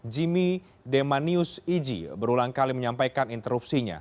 jimmy demanius iji berulang kali menyampaikan interupsinya